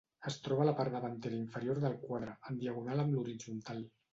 Es troba a la part davantera inferior del quadre, en diagonal amb l'horitzontal.